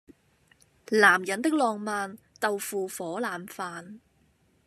男人的浪漫，豆腐火腩飯